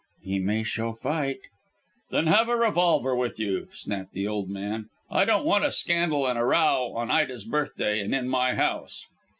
"He may show fight." "Then have a revolver with you," snapped the old man. "I don't want a scandal and a row on Ida's birthday, and in my house."